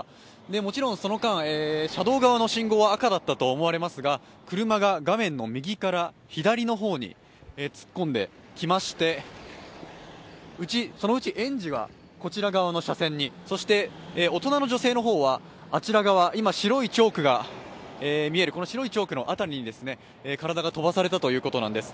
もちろんその間、車道側の信号は赤だったと思われますが車が画面の右から左の方に突っ込んできましてそのうち園児はこちら側の車線に、そして大人の女性はあちら側、今、白いチョークが見える辺りに体が飛ばされたということなんです。